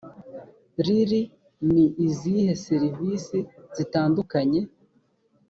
rr ni izihe serivise zitandukanye